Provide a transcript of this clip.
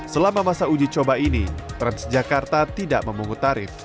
selama masa uji coba ini transjakarta tidak memungut tarif